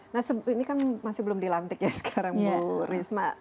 nah ini kan masih belum dilantik ya sekarang bu risma